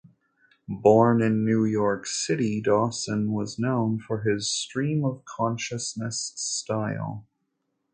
Born in New York City, Dawson was known for his stream-of-consciousness style.